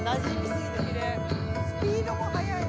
スピードも速いね。